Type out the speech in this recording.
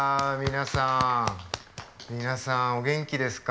皆さんお元気ですか？